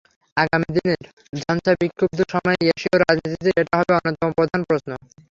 আগামী দিনের ঝঞ্ঝাবিক্ষুব্ধ সময়ের এশীয় রাজনীতিতে এটা হবে অন্যতম প্রধান প্রশ্ন।